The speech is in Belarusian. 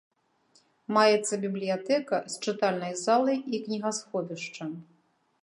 Маецца бібліятэка з чытальнай залай і кнігасховішчам.